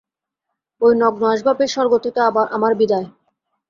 ঐ নগ্ন আসবাবের স্বর্গ থেকে আমার বিদায়।